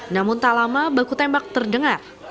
namun tak lama baku tembak terdengar